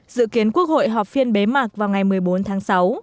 dự kiến quốc hội họp phiên bế mạc vào ngày một mươi bốn tháng sáu